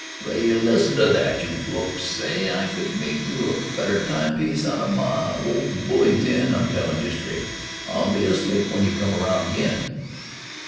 "Will you listen to that, you blokes! S'y! I could myke a better timepiece out of an old bully tin! I'm tellin' you straight, I'll be asleep w'en you come 'round again!"